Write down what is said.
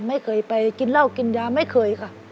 ไม่เคยไปกินเหล้ากินยาไม่เคยค่ะ